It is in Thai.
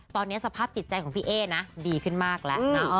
ตอนนี้สภาพจิตใจของพี่เอ๊นะดีขึ้นมากแล้วนะ